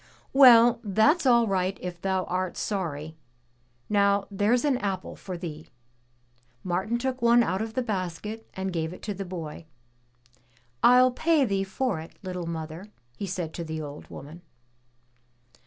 "Well, that's all right if thou art sorry! Now there's an apple for thee.'' Martin took one out of the basket and gave it to the boy. "I'll pay thee for it, little mother," he said to the old woman.